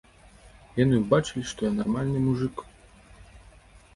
Яны ўбачылі, што я нармальны мужык.